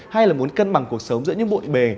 hay là muốn cân bằng cuộc sống giữa những bộn bề